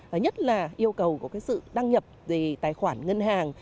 và nhất là yêu cầu của sự đăng nhập về tài khoản ngân hàng